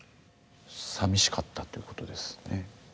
さみしかったっていうことですね？